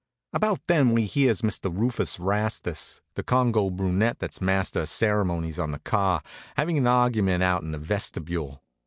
About then we hears Mr. Rufus Rastus, the Congo brunet that's master of ceremonies on the car, havin' an argument out in the vestibule.